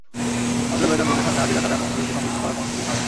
অথচ বেতন বিলের সঙ্গে হাজিরা খাতার অনুলিপি সংযুক্ত করার কোনো নির্দেশনা নেই।